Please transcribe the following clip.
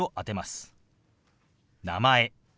「名前」。